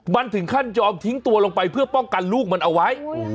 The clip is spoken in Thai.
มันถึงขั้นยอมทิ้งตัวลงไปเพื่อป้องกันลูกมันเอาไว้